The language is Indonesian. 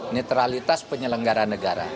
netralitas penyelenggara negara